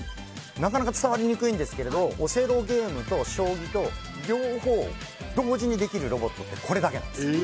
なかなか伝わりにくいんですがオセロゲームと将棋と両方同時にできるロボットってこれだけなんです。